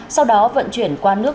sau đó vận chuyển qua nước